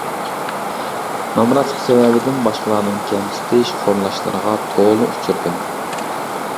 نامراتلىق سەۋەبىدىن باشقىلارنىڭ كەمسىتىش، خورلاشلىرىغا تولا ئۇچرىدىم.